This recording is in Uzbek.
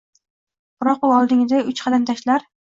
Biroq u oldingiday uch qadam tashlar